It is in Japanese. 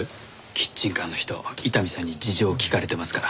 キッチンカーの人伊丹さんに事情を聞かれてますから。